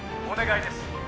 お願いです